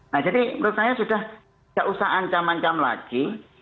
nah jadi menurut saya sudah tidak usah ancam ancam lagi